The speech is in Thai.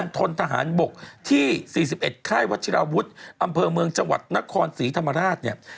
ทนทหารบกที่๔๑ค่ายวัชิราวุฒิอำเภอเมืองจังหวัดนครศรีธรรมราชเนี่ย